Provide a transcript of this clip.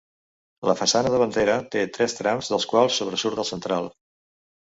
La façana davantera té tres trams dels quals sobresurt el central.